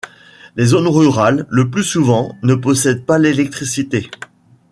Les zones rurales, le plus souvent, ne possèdent pas l’électricité.